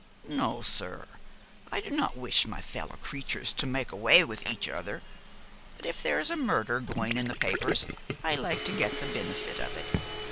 'No, sir, I do not wish my fellow creatures to mak' awa' wi' each other; but if there is a murder going in the papers I like to get the benefit of it.